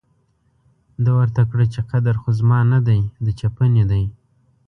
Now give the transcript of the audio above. ده ورته کړه چې قدر خو زما نه دی، د چپنې دی.